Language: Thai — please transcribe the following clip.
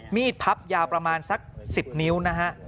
พับยาวประมาณสัก๑๐นิ้วนะฮะ